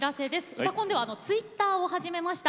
「うたコン」ではツイッターを始めました。